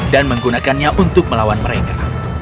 dan menggunakannya untuk melawan mereka